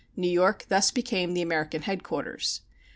New York thus became the American headquarters.